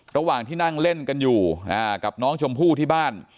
ระหว่างที่นั่งเล่นกันอยู่กับน้องชมพู่ที่บ้าน